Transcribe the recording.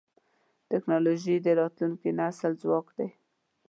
ټکنالوجي د راتلونکي نسل ځواک دی.